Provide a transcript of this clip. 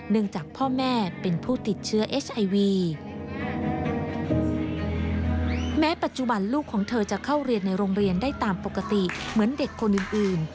ในโรงเรียนได้ตามปกติเหมือนเด็กคนอื่น